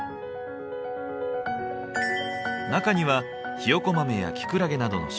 中にはひよこ豆やキクラゲなどの食材が。